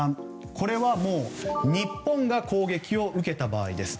これはもう日本が攻撃を受けた場合です。